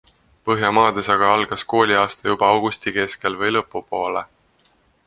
Põhjamaades aga algas kooliaasta juba augusti keskel või lõpupoole.